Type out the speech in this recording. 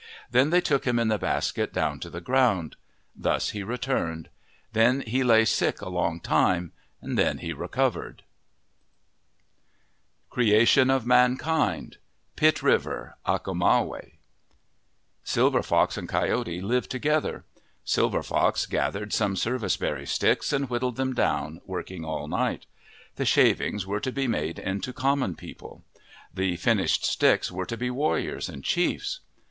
Then they took him in the basket down to the ground. Thus he returned. Then he lay sick a long time, then he recovered. 54 OF THE PACIFIC NORTHWEST CREATION OF MANKIND Pit River (Achomawi] SILVER FOX and Coyote lived together. Sil ver Fox gathered some service berry sticks and whittled them down, working all night. The shavings were to be made into common people. The finished sticks were to be warriors and chiefs.